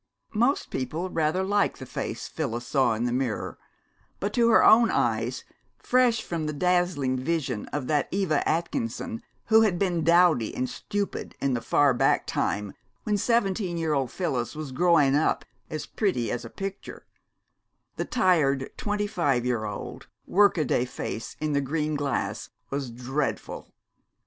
Most people rather liked the face Phyllis saw in the mirror; but to her own eyes, fresh from the dazzling vision of that Eva Atkinson who had been dowdy and stupid in the far back time when seventeen year old Phyllis was "growin' up as pretty as a picture," the tired, twenty five year old, workaday face in the green glass was dreadful.